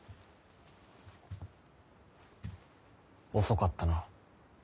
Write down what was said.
遅かったな。